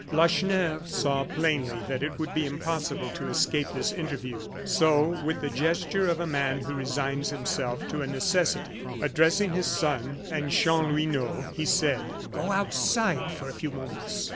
Lacheneur saw plainly that it would be impossible to escape this interview, so, with the gesture of a man who resigns himself to a necessity, addressing his son and Chanlouineau, he said: "Go outside for a few moments."